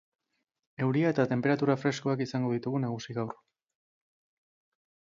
Euria eta tenperatura freskoak izango ditugu nagusi gaur.